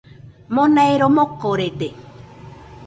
Mona ero mokorede.